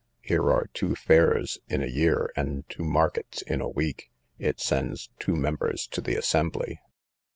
Here are two fairs in a year, and two markets in a week. It sends two members to the assembly.